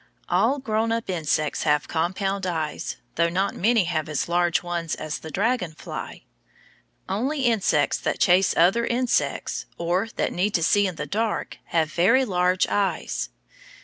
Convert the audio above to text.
All grown up insects have compound eyes, though not many have as large ones as the dragon fly. Only insects that chase other insects or that need to see in the dark have very large eyes.